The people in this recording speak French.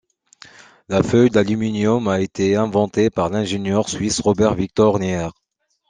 La feuille d’aluminium a été inventée par l’ingénieur suisse Robert Victor Neher.